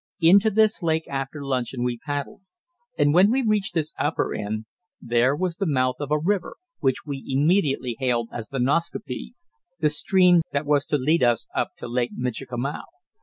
Into this lake after luncheon we paddled, and when we reached its upper end, there was the mouth of a river, which we immediately hailed as the Nascaupee, the stream that was to lead us up to Lake Michikamau.